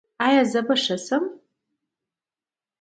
ایا زه به ښه شم؟